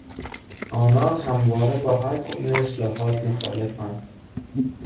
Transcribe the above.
آنان همواره با هر گونه اصلاحات مخالفند.